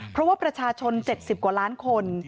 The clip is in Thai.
เพราะว่าประชาชน๗๐กว่าล้านคน